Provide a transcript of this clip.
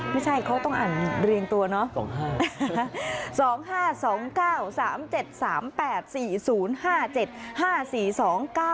ไม่ใช่เขาต้องอ่านเรียงตัวเนาะ